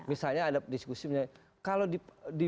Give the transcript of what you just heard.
misalnya ada diskusi